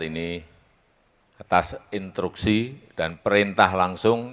ini atas instruksi dan perintah langsung